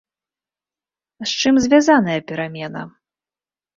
З чым звязаная перамена?